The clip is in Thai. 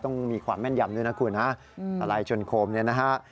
ต้องมีความแม่นยำด้วยนะคุณฮะอะไรชนโคมเนี่ยนะฮะ